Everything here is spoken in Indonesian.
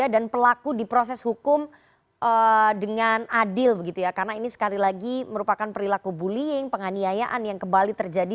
dan pelaku diproses hukum dengan adil karena ini sekali lagi merupakan perlilaku bullying penganiayaan yang kembali terjadi